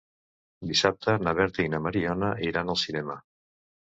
Dissabte na Berta i na Mariona iran al cinema.